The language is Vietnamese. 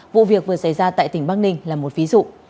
vụ việc vừa xảy ra tại tỉnh bắc ninh là một ví dụ